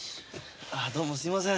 どうもすいません。